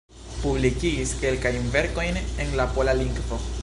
Publikigis kelkajn verkojn en la pola lingvo.